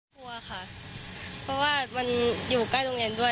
กลัวค่ะเพราะว่ามันอยู่ใกล้โรงเรียนด้วย